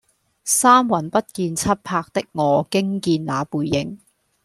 三魂不見七魄的我驚見那背影